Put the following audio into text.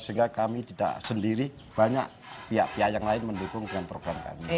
sehingga kami tidak sendiri banyak pihak pihak yang lain mendukung dengan program kami